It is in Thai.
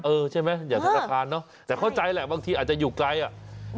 เออใช่ไหมอย่างธนาคารเนอะแต่เข้าใจแหละบางทีอาจจะอยู่ไกลอ่ะ